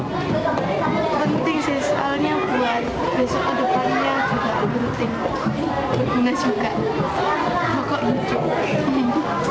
penting sih soalnya buat besok ke depannya juga penting